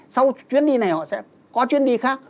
sau chuyến đi này họ sẽ có chuyến đi khác